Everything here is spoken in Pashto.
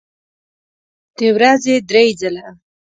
د ورځې درې ځله